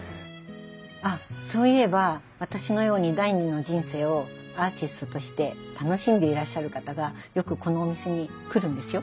あっそういえば私のように第２の人生をアーティストとして楽しんでいらっしゃる方がよくこのお店に来るんですよ。